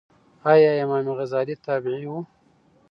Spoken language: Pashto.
ایا امام غزالې تابعې وه؟